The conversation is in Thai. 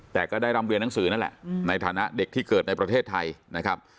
แต่ก็ได้รำเรียนหนังสือนั่นแหละในฐานะเด็กที่เกิดในประเทศไทยนะครับ